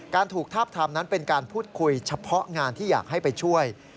การถูกทาบทามนั้นเป็นการพูดคุยเฉพาะงานที่อยากให้ไปช่วย